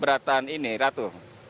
beratan ini ratu